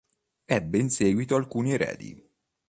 Ebbe in seguito alcuni eredi.